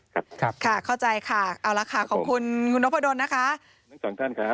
ค่ะเข้าใจค่ะเอาละค่ะขอบคุณคุณพระดนตร์นะคะ